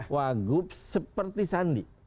wagup seperti sandi